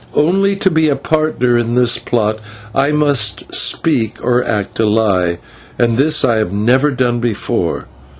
Only, to be a partner in this plot, I must speak or act a lie, and this I have never done before.